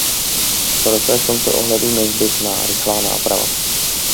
Proto je v tomto ohledu nezbytná rychlá náprava.